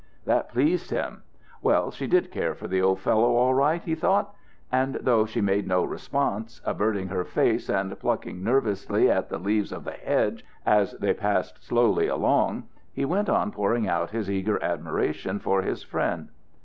That pleased him. Well, she did care for the old fellow all right, he thought; and though she made no response, averting her face and plucking nervously at the leaves of the hedge as they passed slowly along, he went on pouring out his eager admiration for his friend.